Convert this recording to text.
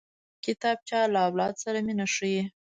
کتابچه له اولاد سره مینه ښيي